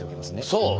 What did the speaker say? そう！